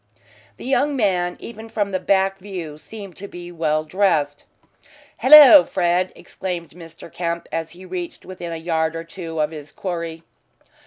The young man, even from the back view, seemed to be well dressed. "Hallo, Fred," exclaimed Mr. Kemp, as he reached within a yard or two of his quarry.